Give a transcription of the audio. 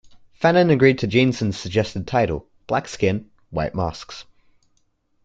Fanon agreed to Jeanson's suggested title, Black Skin, White Masks.